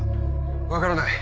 分からない